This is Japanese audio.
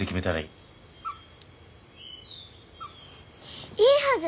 いいはず。